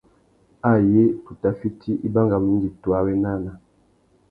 Ayé tu tà fiti, i bangamú indi tu awénana.